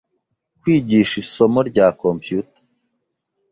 kwigisha isomo rya Computer